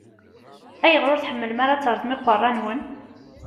Ayɣer ur tḥemmlem ara ad teṛṛẓem iqeṛṛa-nwen?